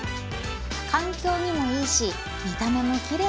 環境にもいいし見た目も奇麗